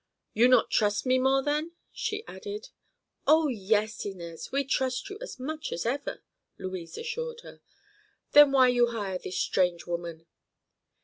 "You not trust me more, then?" she added. "Oh, yes, Inez; we trust you as much as ever," Louise assured her. "Then why you hire this strange woman?"